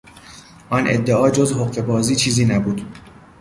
آن ادعا جز حقهبازی چیزی نبود.